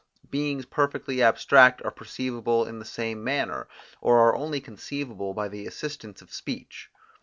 Beings perfectly abstract are perceivable in the same manner, or are only conceivable by the assistance of speech.